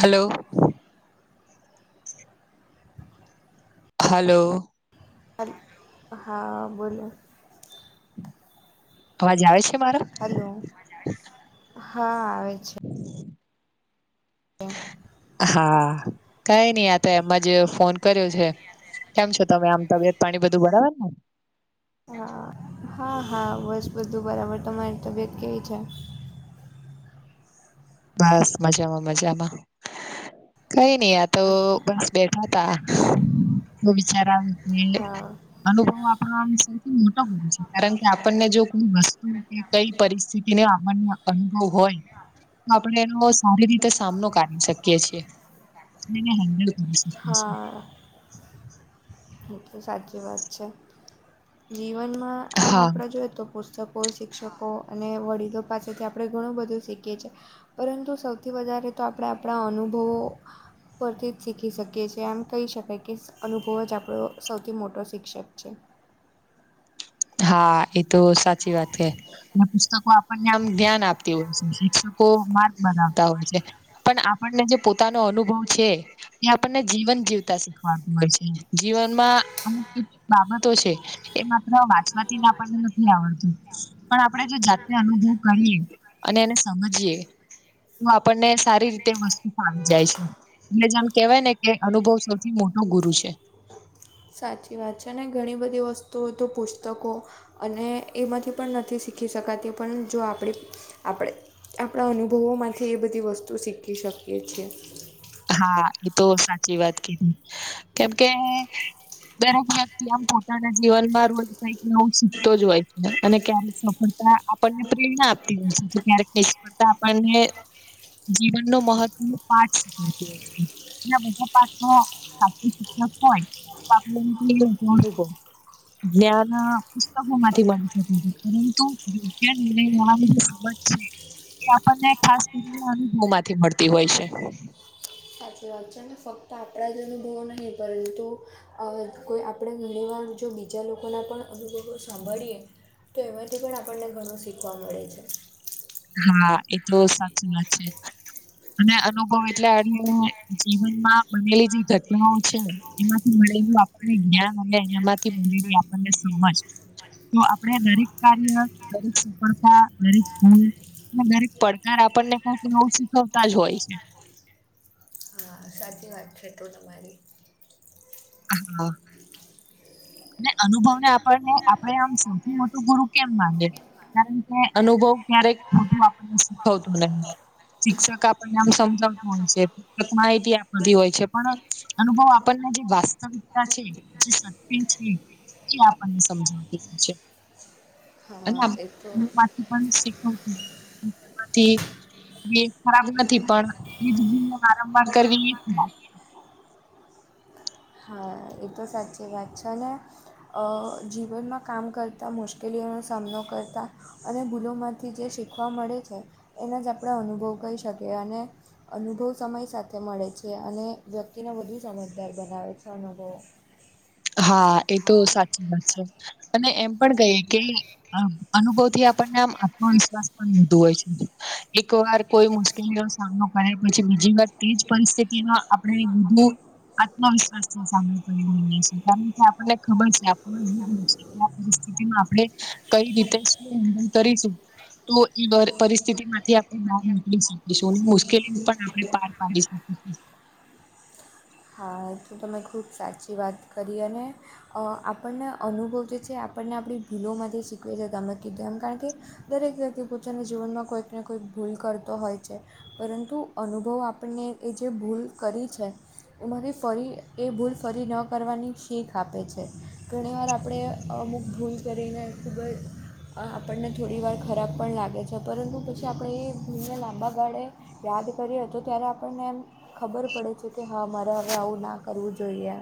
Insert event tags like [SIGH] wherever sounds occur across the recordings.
Hello. Hello. હ હા બોલો. અવાજ આવે છે મારો હલો હા આવે છે. [INAUDIBLE] હા કઈ નઈ આ તો એમ જ ફોન કર્યો છે. કેમ છો તમે આમ તબિયત પાણી બધું બરાબર ને હા હા હા બસ બધું બરાબર તમારી તબિયત કેવી છે? બસ મજામાં મજામાં કઈ નઈ યાર તો બસ બેઠા તા તો વિચાર આવયો કે હા અનુભવ આપો સૌથી મોટો હોય છે કારણ કે આપણને જો કોઈ વસ્તુ કઈ પરિસ્થિતિને આપણને અનુભવ હોય આપણે એનો સારી રીતે સામનો કરી શકીએ છીએ. કરી શકીએ છીએ હા. એ સાચી વાત છે જીવનમાં આમ હા આપડા જોઈ તો પુસ શિક્ષકો શિક્ષકો અને વડીલો પાસેથી આપણે ઘણું બધું શીખીએ છીએ. પરંતુ સૌથી વધારે તો આપણે આપણા અનુભવો પરથી જ શીખી શકીએ છીએ એમ કહી શકાય કે અનુભવ જ આપણે આપણો સૌથી મોટો શિક્ષક છે હા એ તો સાચી વાત છે. એ પુસ્તકો આપણને આમ ધ્યાન આપતી હોય છે શિક્ષકો માર્ગ બનાવતા હોય છે. પણ આપણને જે પોતાનો અનુભવ છે. એ આપણને જીવન જીવતા શીખવાનું હોય છે જીવનમાં અમુક કેટલીક બાબતો છે. એમાં એમાં વાંચવાથી જ આપણને નથી આવડતું પણ આપણે જો જાતે અનુભવ કરીએ અને એને સમજીએ તો આપણને સારી રીતે વસ્તુ આવી જાય છે. ને જેમ કેવાયને કે અનુભવ સૌથી મોટો ગુરુ છે. સાચી વાત છે ને ઘણી બધી વસ્તુઓ તો પુસ્તકો અને એમાંથી પણ નથી શીખી શકાતી પણ જો આપણી આપણે આપણા અનુભવો માંથી એ બધી વસ્તુ શીખી શકીએ છીએ. હા ઈ તો સાચી વાત કીધી કેમ કે દરેક વ્યક્તિ આમ પોતાના જીવનમાં રોજ કઈક નવું શીખતો જ હોય અને ક્યારેક સફળતા આપણને પ્રેરણા આપતી હોય છે ક્યારેક નિષ્ફળતા આપણને જીવનનો મહત્વ પાઠસ [UNINTELLIGIBLE] બધા પાથો સાચું શિક્ષક હોય [UNINTELLIGIBLE] ને આ પુસ્તકો માંથી બની શકે પરંતુ વિજ્ઞાન [UNINTELLIGIBLE] [UNINTELLIGIBLE] એ આપણને ખાસ કરી અનુભવમાંથી મળતી હોય છે [INAUDIBLE] અચાનક ફક્ત આપણા જ અનુભવો નહીં પરંતુ અ કોઈ આપણે ઘણી વાર જો બીજા લોકોના પણ અનુભવો સાંભળીએ તો એમાંથી પણ આપણને ઘણું શીખવા મળે છે. હા એ તો સાચી વાત છે. અને અનુભવ એટલે [UNINTELLIGIBLE] જીવનમાં બનેલી જે ઘટનાઓ છે એમાંથી મળેલું આપણને જ્ઞાન અને એનામાંથી બનેલી આપણને સમજ તો આપડે દરેક કાર્ય દરેક સફળતા દરેક ગુણ દરેક પડકાર આપણને કઈક નવું શીખવતા જ હોય છે હા સાચી વાત વાત છે તો તમારી હા અને અનુભવને આપણને આપડે આમ સૌથી મોટો ગુરુ કેમ માનીએ કારણ કે અનુભવ ક્યારેક ખોટું આપણને શીખવતું નહી શિક્ષક આપણને આમ સમજાવતા હોય છે. માહિતી આપતી હોય છે પણ અનુભવ આપણને જે વાસ્તવિકતા છે હા એ તો [UNINTELLIGIBLE] [INAUDIBLE] એ પણ શીખવતું [UNINTELLIGIBLE] એ ખરાબ નથી પણ ઇજ ભૂલ ને વારંવાર કરવી ઇ જ ને હા એ તો સાચે વાત છે ને અ જીવનમાં કામ કરતા મુશ્કેલીઓનો સામનો કરતા અને ભૂલોમાંથી જે શીખવા મળે છે એને જ આપણે અનુભવ કહી શકીએ અને અનુભવ સમય સાથે મળે છે અને વ્યક્તિને વધુ સમજદાર બનાવે છે અનુભવો. હા એ તો સાચી વાત છે અને એમ પણ કહીએ કે આમ અનુભવ થી આપણને આમ આત્મવિશ્વાસ પણ આવતું હોય છે એક વાર કોઈ મુશ્કેલીનો સામનો કરે પછી બીજી વાત તેજ પરિસ્થિતિમાં આપણે બધું આત્મવિશ્વાસ નો સામનો કરી લઈએ છીએ કારણ કે આપણને ખબર છે આપણને [UNINTELLIGIBLE] [UNINTELLIGIBLE] પરિસ્થિતિમાં આપણે કઈ રીતે શું [UNINTELLIGIBLE] કરીશું તો એ પરિસ્થિતિમાંથી આપણે બહાર નીકળી શકીશું મુશ્કેલી પણ આપણે પાર પાડી શકીશું [UNINTELLIGIBLE] તમે ખૂબ સાચી વાત કરી અને અ આપણને અનુભવ જે છે આપણને આપણી ભૂલો માંથી શીખવે છે તમે કીધું એમ કારણ કે દરેક વ્યક્તિ પોતાના જીવનમાં કોઈક ને કોઈક ભૂલ કરતો હોય છે. પરંતુ અનુભવ આપને એ જે ભૂલ કરી છે એમાં થી ફરી એ ભૂલ ફરી ન કરવાની શીખ આપે છે ઘણીવાર આપણે અમુક ભૂલ કરીને ખુબ જ આપણને થોડી વાર ખરાબ પણ લાગે છે પરંતુ પછી આપણે એ ભૂલને લાંબા ગાળે યાદ કરીએ તો ત્યારે આપણને એમ ખબર પડે છે કે હા મારા આવું ના કરવું જોઈએ.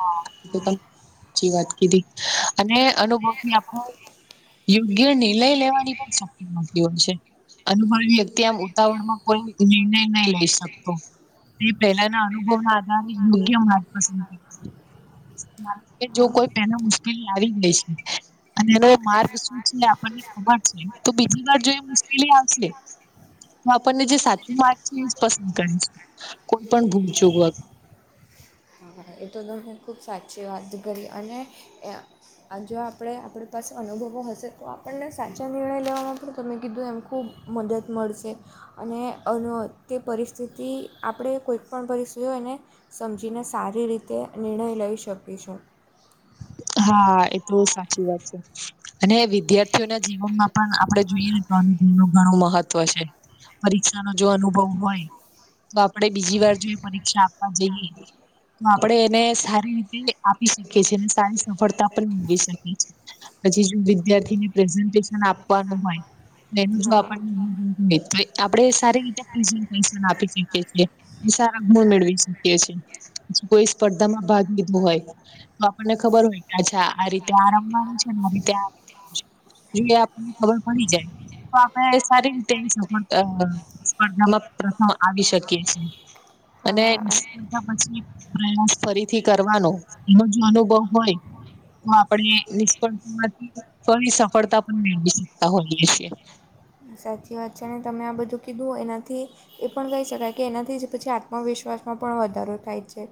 હા સાચી વાત કીધી અને અનુભવથી આપણો- યોગ્ય નિર્ણય લેવાની પણ શક્તિ મળતી હોય છે. અનુભવી વ્યક્તિ આમ ઉતાવળમાં કોઈ નિર્ણય નહી લઈ શકતો. તે પેલાના અનુભવના આધારે યોગ્ય માર્ગ પસંદ [UNINTELLIGIBLE] મા કે જો હા કોઈ પેલા મુશ્કેલી આવી ગઈ છે. અને એનો માર્ગ શું છે આપણને ખબર છે તો બીજી વાર જો મુશ્કેલી આવશે. હા તો આપણને જે સાચી વાત છે એ પસંદ કરે છે કોઈ પણ ભૂલચૂક વગર હા એ તો તમે ખૂબ સાચી વાત કરી અને આજ જો આપણે આપણી પાસે અનુભવો હશે તો આપણને સાચા નિર્ણય લેવામાં પણ તમે કીધું એમ ખૂબ મદદ મળશે અને અન તે પરિસ્થિતિ આપણે કોઈક પણ પરિસ્થિતિ હોયને સમજીને સારી રીતે નિર્ણય લઈ શકીશું હા એટલુ તો સાચી વાત છે અને વિદ્યાર્થીઓના જીવનમાં પણ આપણે જોઈએ નુ નું ઘણું મહત્વ છે પરીક્ષા નો જો અનુભવ હોય તો આપડે બીજીવાર જો એ પરીક્ષા આપવા જઈએ તો આપણે એને સારી રીતે આપી શીખીએ છીએ અને સાયન્સ સફળતા પણ મેળવી શકીએ છે પછી જો વિદ્યાર્થીને પ્રેઝન્ટેશન આપવાનું હોય એનું જો આપ હા. [UNINTELLIGIBLE] તો આપણેે સારી [UNINTELLIGIBLE] આપી શકીએ છીએ [UNINTELLIGIBLE] મેળવી શકીએ છીએ પછ કોઈ સ્પર્ધામાં ભાગ લીધો હોય તો આપણને ખબર હોય કે અચ્છા આ રીતે આ રમવાનું છે ને આ રીતે આ રમવાનું છે જો એ આપણને ખબર પડી જાય તો આપણે સારી રીતે સપોટ સ્પર્ધામાં પ્રથમ આવી શકીએ છીએ અને સ્પાર્ધા પછી પ્રયાસ ફરીથી કરવાનો એનો જો અનુભવ હોય તો આપણે નિષ્ફળતા માંથી ફરી સફળતા પણ મેળવી શકતા હોઈએ છીએ સાચી વાત છે ને તમે આ બધું કીધું એનાથી એ પણ કહી શકાય કે એનાથી જ પછી આત્મવિશ્વાસમાં પણ વધારો થાય છે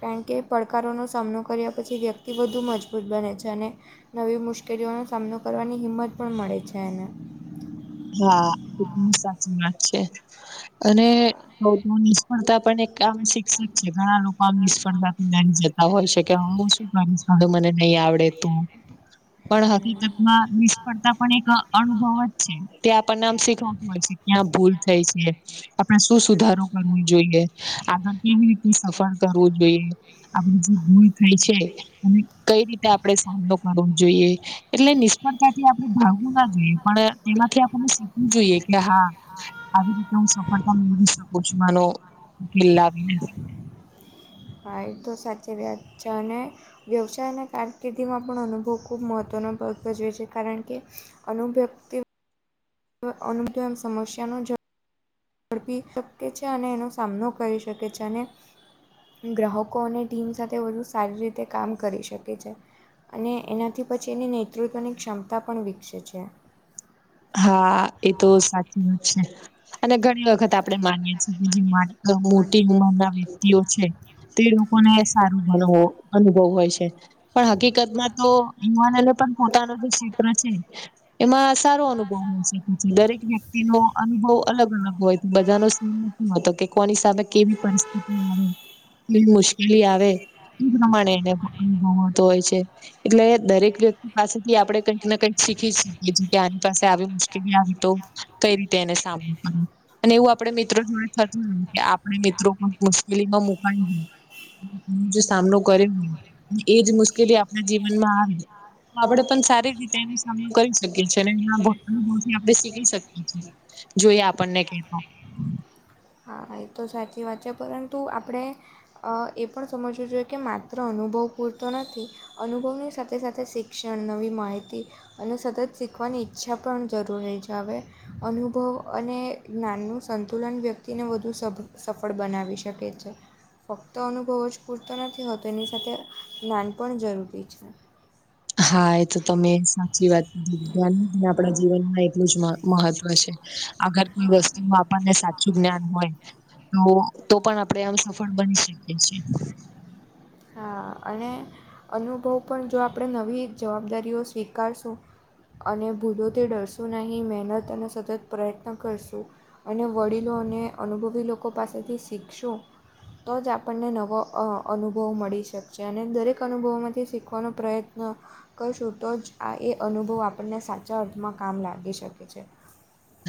કારણ કે પડકારોનો સામનો કર્યા પછી વ્યક્તિ વધુ મજબૂત બને છે અને નવી મુશ્કેલીઓનો સામનો કરવાની હિંમત પણ મળે છે એને હા એ પણ સાચી વાત છે હા અને હા તો તો નિષ્ફળતા પણ એક આમ શિક્ષક છે ઘણા લોકો આમ નિષ્ફળતાથી ડરી જતા હા હોય શકે હ શું આપી સામે મને નહી આવડે તો પણ હકીકતમાં નિષ્ફળતા પણ એક અનુભવ જ છે ત્યાં આપણને આમ શીખવાતું હોય છે ક્યાં ભૂલ થાય છે? આપણે શું સુધારો કરવો જોઈએ આગળ કેવી રીત સફળ કરવું જોઈએ? આપણે જે ભૂલ થઈ છે એને કઈ રીતે આપણે સામનો કરવો જોઈએ એટલે નિષ્ફળતાથી આપણે ભાઞવું ના જોઈએ પણ તેમાંથી આપણને શીખવું જોઈએ કે હા આવી રીતના હું સફળતા મેળવી શકું માનોલાાવ એ તો સાચી વાત છે અને વ્યવસાય અને કારકિર્દીમાં પણ અનુભવ ખૂબ મહત્ત્વનો ભાગ ભજવે છે કારણ કે અનુભ વ્યક્તિ અન તો એમ સમસ્યાનો જ ઝડપી શકે છે અને એનો સામનો કરી શકે છે અને ગ્રાહકો અને ટીમ સાથે વધુ સારી રીતે કામ કરી શકે છે અને એનાથી પછી એની નેતૃત્વની ક્ષમતા પણ વિકસે છે હા એતો સાચી વાત છે અને ઘણી વખત આપણે માનીએ છીએ, કેજે મોટી ઉંમરના વ્યક્તિઓ છે તે લોકોને સારું ભડવો અનુભવ હોય છે પણ હકીકતમાં તો યુવાનોને પણ પોતાનો જે ચિત્ર છે, એમાં સારો અનુભવ [UNINTELLIGIBLE] [INAUDIBLE] દરેક વ્યક્તિનો અનુભવ અલગ- અલગ હોયતો બધાનો સીન નથી હોતો કે કોની સાથે કેવી પરિસ્થિતિ આવે કેવી મુશ્કેલી આવે એ પ્રમાણે એ ને મળતું હોય છે. એટલે દરેક વ્યક્તિ પાસેથી આપડે કંઈક ને કંઈક શીખી શકીએ કે આની પાસે આવી મુશ્કેલી આવી તો કંઈ રીતે એને સામનો કરો અને એવું આપડે મિત્રો જોડે થતું હોયને કે આપણે મિત્રો મુશ્કેલીમાં મુકાઈ જે સામનો કર્યો એજ મુશ્કેલી આપણા જીવનમાં આવે તો આપડે પણ સારી રીતે એનો સામનો કરી શકીએ છીએ અને ના હોય થી આપણે શીખી શકીએ છીએ જોઈએ આપણને કે એતો સાચી વાત છે પરંતુ આપણે અ પણ સમજવું જોઈએ કે માત્ર અનુભવ પૂરતો નથી, અનુભવની સાથે સાથે શિક્ષણ નવી માહિતી અને સતત શીખવાની ઈચ્છા પણ જરૂર હોય છે હવે અનુભવ અને જ્ઞાનનું સંતુલન વ્યક્તિને વધુ નું સફળ બનાવી શકે છે, ફક્ત અનુભવો જ પૂરતો નથી હોતો એની સાથે જ્ઞાન પણ જરૂરી છે. હા એતો તમે સાચી વાત કઈ વિધ્ન આપણા હા જીવનમાં એટલું જ મહ મહત્વ છે, આગળ કોઈ વસ્તુનું આપણને સાચું જ્ઞાન હોય તો તો પણ આપણે આમ સફળ બની શકીએ છીએ. હા અને અનુભવ પણ જો આપણે નવી જવાબદારીઓ સ્વીકારશું. અને ભૂલોથી ડરશું નહીં મહેનતનો સતત પ્રયત્ન કરશું અને વડીલો અને અનુભવી લોકો પાસેથી શીખશો તો જ આપણને નવો અનુભવ અનુભવ મળી શકશે અને દરેક અનુભવોમાંથી શીખવાનો પ્રયત્ન કરશું તો જ આ એ અનુભવ આપણને સાચા અર્થમાં કામ લાગી શકે છે.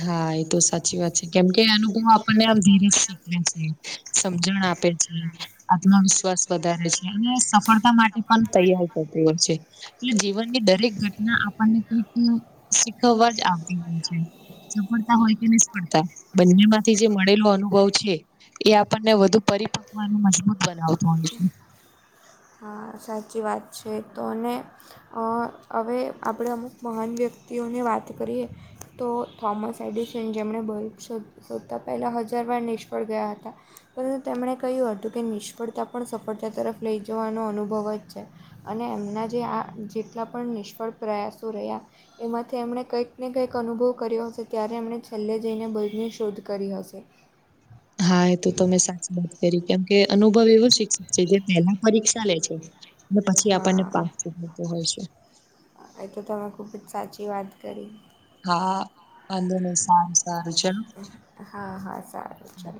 હા એતો સાચી વાત છે કેમકે અનુભવ આપણને આ ધીરેજ શીખવે છે. સમજણ આપે છે આત્મવિશ્વાસ વધારે છે અને સફળતા માટે પણ તૈયાર થતું હોય છે એટલે જીવનની દરેક ઘટના આપણને કંઈક શીખવવા જ આવતી હોય છે, સફળતા હોય કે નિષ્ફળતા બંનેમાંથી જે મળેલો અનુભવ છે. એ આપણને વધુ પરિપક્વ અને મજબૂત બનાવતું હોય છે. હા સાચી વાત છે તો અને હા હવે આપણે અમુક મહાન વ્યક્તિઓને વાત કરીએ તો થોમસ એડિસન જેમણે બસ એકસો શોધતાં પહેલાં હજારવાર નિષ્ફળ ગયા હતા પરંતુ તેમણે કહ્યું હતું કે પણ નિષ્ફળતા સફળતા તરફ લઈ જવાનો અનુભવ જ છે. અને એમના જે આ જેટલા પણ નિષ્ફળ પ્રયાસો રહ્યા એમાંથી એમણે કંઈક ને કંઈક અનુભવ કર્યો હશે, ત્યારે એમણે છેલ્લે જઈને બલ્બની શોધ કરી હશે. હા એતો તમે સાચી વાત, કેમ કે, અનુભવ એવો શિક્ષક છે, જે પહેલા પરીક્ષા લે છે. પછી આપણને હા પાસ મળતો હોય છે, એ તો તમે ખુબ જ સાચી વાત કરી. હા વાંધો નઈ સારું સારું હા હા સારું ચલો.